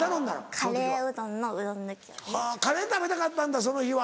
カレー食べたかったんだその日は。